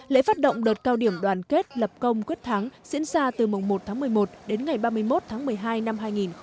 lễ phát động đợt cao điểm đoàn kết lập công quyết thắng diễn ra từ mùng một tháng một mươi một đến ngày ba mươi một tháng một mươi hai năm hai nghìn một mươi chín